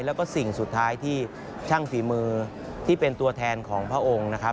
แล้วก็สิ่งสุดท้ายที่ช่างฝีมือที่เป็นตัวแทนของพระองค์นะครับ